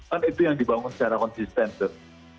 kan itu yang dibangun secara konsisten